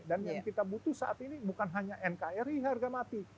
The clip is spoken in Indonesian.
dan yang kita butuh saat ini bukan hanya nkri harga mati